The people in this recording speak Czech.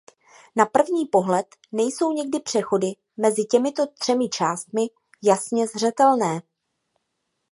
Na první pohled nejsou někdy přechody mezi těmito třemi částmi jasně zřetelné.